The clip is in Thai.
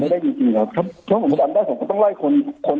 ได้จริงจริงครับครับเพราะผมจำได้สองคนต้องไล่คนคน